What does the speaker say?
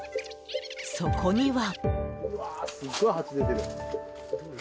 そこには。